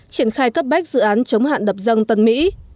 triển khai cấp bách dự án chống hạn đập dâng tân mỹ